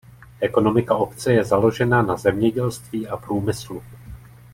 Ekonomika obce je založena na zemědělství a průmyslu.